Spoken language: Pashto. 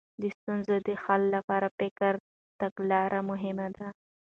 د ستونزو د حل لپاره فکري تګلارې مهمې دي.